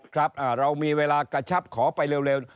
ครับเรามีเวลากระชับขอไปเร็ว